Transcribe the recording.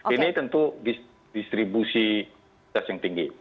ini tentu distribusi gas yang tinggi